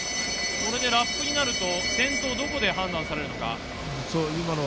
これでラップになると先頭どこで判断されるのか。